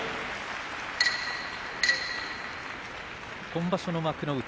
今場所の幕内